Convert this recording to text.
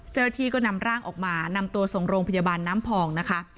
เจ้าหน้าที่ก็นำร่างออกมานำตัวส่งโรงพยาบาลน้ำพองนะคะ